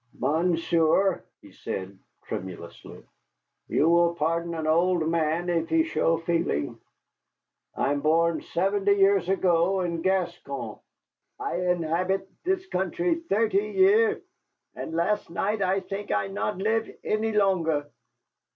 "Monsieur," he said tremulously "you will pardon an old man if he show feeling. I am born seventy year ago in Gascon. I inhabit this country thirty year, and last night I think I not live any longer.